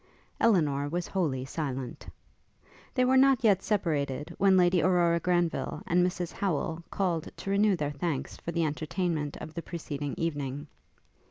Elinor was wholly silent. They were not yet separated, when Lady Aurora Granville and Mrs Howel called to renew their thanks for the entertainment of the preceding evening.